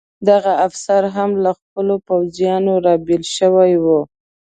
دغه افسر هم له خپلو پوځیانو را بېل شوی و.